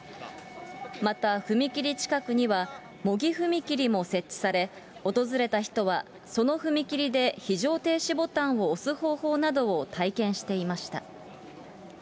また踏切近くには、模擬踏切も設置され、訪れた人は、その踏切で非常停止ボタンを押す方法などを体験していました。